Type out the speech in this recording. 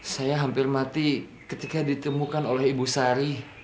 saya hampir mati ketika ditemukan oleh ibu sari